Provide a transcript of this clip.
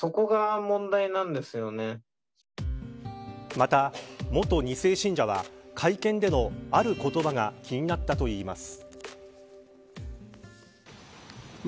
また、元２世信者は会見でのある言葉が気になったといいます。